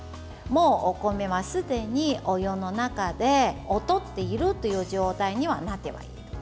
お米はすでにお湯の中で踊っているという状態にはなっています。